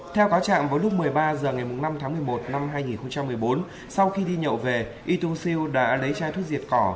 theo cáo trạng vào lúc một mươi ba h ngày năm tháng một mươi một năm hai nghìn một mươi bốn sau khi đi nhậu về you siêu đã lấy chai thuốc diệt cỏ